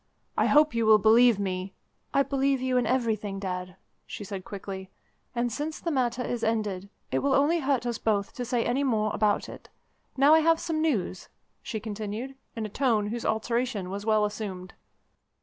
I hope you will believe me " "I believe you in everything, Dad," she said quickly; "and since the matter is ended, it will only hurt us both to say any more about it. Now, I have some news," she continued, in a tone whose alteration was well assumed.